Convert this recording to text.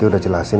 ricky udah jelasin